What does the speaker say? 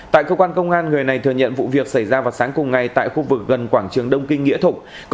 tại cơ quan công an người này thừa nhận vụ việc xảy ra vào sáng cùng ngày tại khu vực gần quảng trường đông kinh nghĩa thục